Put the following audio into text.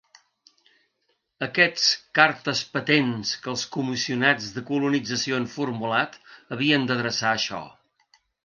Aquestes "cartes patents" que els "comissionats de colonització" han formulat havien d'adreçar això.